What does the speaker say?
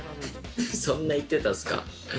そんな言ってたっすか？